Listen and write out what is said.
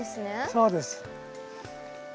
そうです。